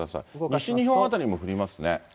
西日本辺りも降りますね。